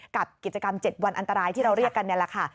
กับกิจกรรม๗วันอันตรายที่เราเรียกกันนี่แหละค่ะ